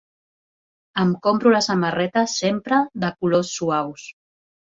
Em compro la samarreta sempre de colors suaus.